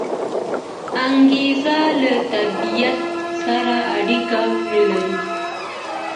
انګریز له طبیعت سره اړیکه نلري.